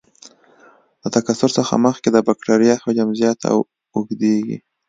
د تکثر څخه مخکې د بکټریا حجم زیات او اوږدیږي.